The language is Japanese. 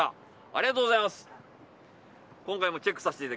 ありがとうございます！